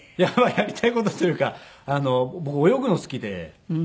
やりたい事というか僕泳ぐの好きで。